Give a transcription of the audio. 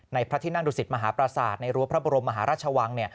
พระที่นั่งดุสิตมหาปราศาสตร์ในรั้วพระบรมมหาราชวัง